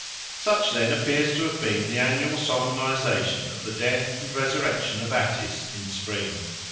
Such, then, appears to have been the annual solemnisation of the death and resurrection of Attis in spring.